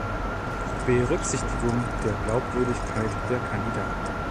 Berücksichtigung der Glaubwürdigkeit der Kandidaten.